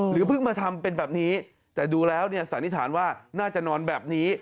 เพิ่งมาทำเป็นแบบนี้แต่ดูแล้วเนี่ยสันนิษฐานว่าน่าจะนอนแบบนี้